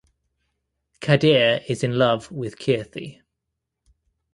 Kadhir is in love with Keerthi.